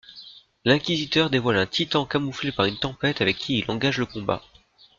L'inquisiteur dévoile un Titan camouflé par une tempête avec qui il engage le combat.